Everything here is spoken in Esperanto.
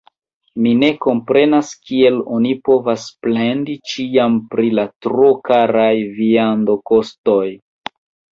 Mi ne komprenas, kiel oni povas plendi ĉiam pri la tro karaj viandokostoj!